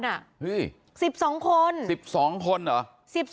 ๑๒คน๑๒คนเหรอ